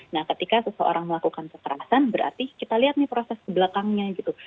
nah ketika seseorang melakukan kekerasan berarti kita lihat nih proses kebelakangnya gitu